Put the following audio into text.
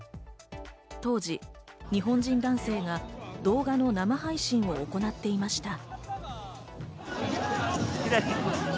当時、日本人男性が動画の生配信を行っていました。